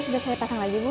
sudah saya pasang lagi bu